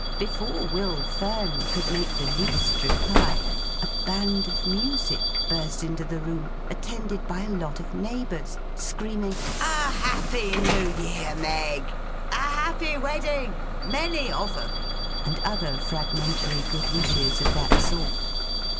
Before Will Fern could make the least reply, a band of music burst into the room, attended by a lot of neighbours, screaming 'A Happy New Year, Meg!' 'A Happy Wedding!' 'Many of 'em!' and other fragmentary good wishes of that sort.